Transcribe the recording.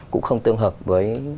cũng không tương hợp với